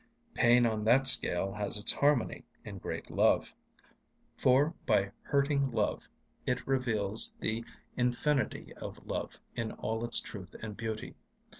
Pain on that scale has its harmony in great love; for by hurting love it reveals the infinity of love in all its truth and beauty.